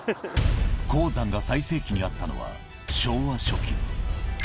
鉱山が最盛期にあったのは、昭和初期。